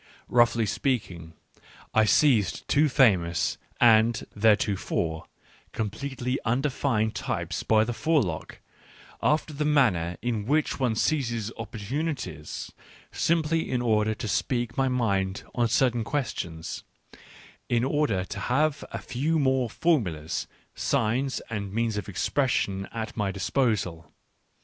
Roughly speaking, I seized two famous and, theretofore, completely undefined types by the forelock, after the manner in which one seizes opportunities, simply in order to speak my mind on certain questions, in order to have a few more formulas, signs, and means of expression at my disposal.